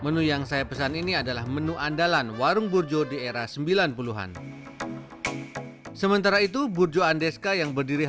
nah saya pesen dua ya satu es burdu susu kampur satu mie rebus telur